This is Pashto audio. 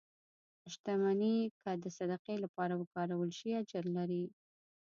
• شتمني که د صدقې لپاره وکارول شي، اجر لري.